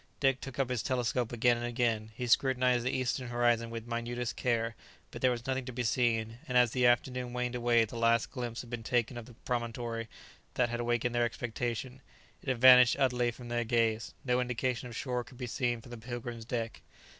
Dick took up his telescope again and again; he scrutinized the eastern horizon with minutest care; but there was nothing to be seen; and as the afternoon waned away the last glimpse had been taken of the promontory that had awakened their expectation; it had vanished utterly from their gaze; no indication of shore could be seen from the "Pilgrim's" deck.